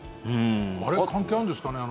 あれ関係あるんですかね？